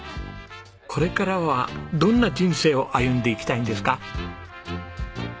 これからはどんな人生を歩んでいきたいんですか？